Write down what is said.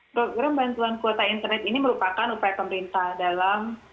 program bantuan kuota internet ini merupakan upaya pemerintah dalam